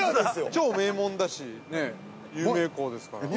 超名門だし、有名校ですから。